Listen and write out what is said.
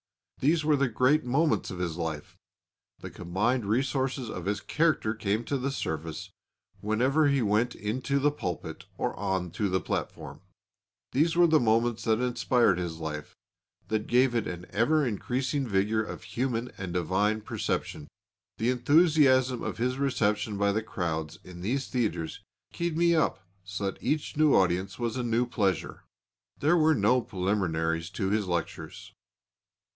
These were the great moments of his life; the combined resources of his character came to the surface whenever he went into the pulpit or on to the platform. These were the moments that inspired his life, that gave it an ever increasing vigour of human and divine perception. The enthusiasm of his reception by the crowds in these theatres keyed me up so that each new audience was a new pleasure. There were no preliminaries to his lectures.